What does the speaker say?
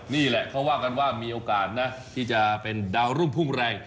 นี่แหละเขาว่ากันว่ามีโอกาสนะที่จะเป็นดาวรุ่งพุ่งแรง